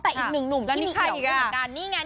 แต่อีกหนึ่งหนุ่มที่มีเกี่ยวของเหมือนกัน